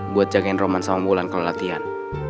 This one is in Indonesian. buat jagain roman sama mulan kalau latihan